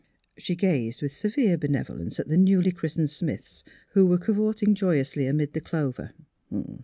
She gazed with severe benevolence at the newly christened Smiths, who were cavorting joyously amid the clover.